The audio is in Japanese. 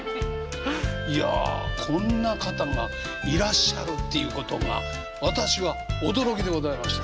いやこんな方がいらっしゃるっていうことが私は驚きでございました。